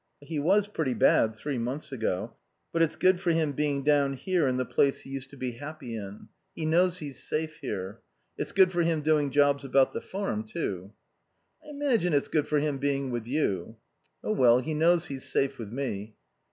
"He was pretty bad three months ago. But it's good for him being down here in the place he used to be happy in. He knows he's safe here. It's good for him doing jobs about the farm, too." "I imagine it's good for him being with you." "Oh, well, he knows he's safe with me."